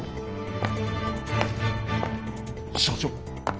社長。